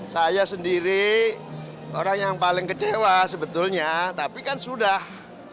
saya sendiri orang yang paling kecewa sebetulnya tapi kan sudah